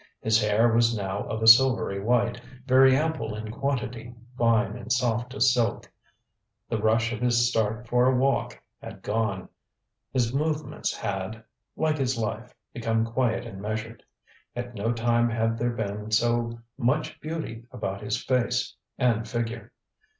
His hair was now of a silvery white, very ample in quantity, fine and soft as silk. The rush of his start for a walk had gone. His movements had, like his life, become quiet and measured. At no time had there been so much beauty about his face and figure.